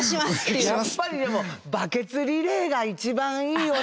やっぱりでもバケツリレーが一番いいよね。